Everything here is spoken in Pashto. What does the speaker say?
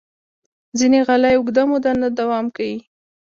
ځینې غالۍ اوږده موده نه دوام کوي.